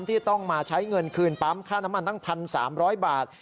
ที่ต้องมาใช้เงินคืนปั๊มค่าน้ำมันตั้ง๑๓๐๐บาท